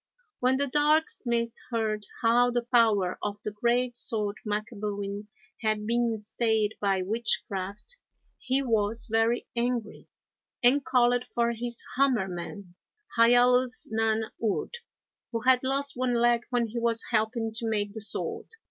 When the Dark Smith heard how the power of the great sword Macabuin had been stayed by witchcraft, he was very angry, and called for his Hammer man, Hiallus nan urd, who had lost one leg when he was helping to make the sword.